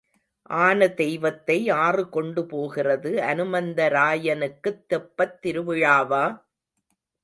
ஆன தெய்வத்தை ஆறு கொண்டு போகிறது அனுமந்தராயனுக்குத் தெப்பத் திருவிழாவா?